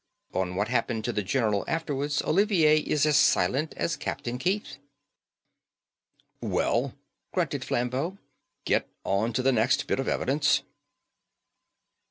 On what happened to the general afterwards Olivier is as silent as Captain Keith." "Well," grunted Flambeau, "get on to the next bit of evidence."